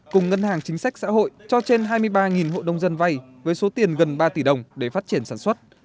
cùng ngân hàng chính sách xã hội cho trên hai mươi ba hộ đông dân vay với số tiền gần ba tỷ đồng để phát triển sản xuất